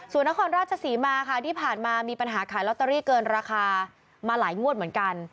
ส่วนนครราชศรีมาค่ะที่ผ่านมามีปัญหาขายลอตเตอรี่เกินราคามาหลายงวดเหมือนกัน